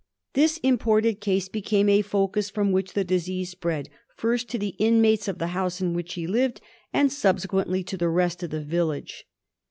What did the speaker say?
This imported case became a focus from which the disease spread, first to the inmates of the house in which he lived, and subsequently to the rest of the village.